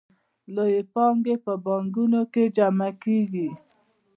لویې پانګې په بانکونو کې جمع کېږي